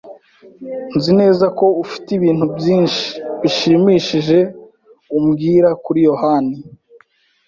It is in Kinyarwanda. Nzi neza ko ufite ibintu byinshi bishimishije umbwira kuri yohani.